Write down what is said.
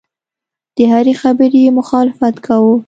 د هرې خبرې یې مخالفت کاوه.